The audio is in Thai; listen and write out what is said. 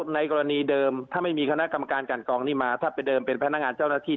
ในกรณีเดิมถ้าไม่มีคณะกรรมการกันกองนี้มาถ้าไปเดิมเป็นพนักงานเจ้าหน้าที่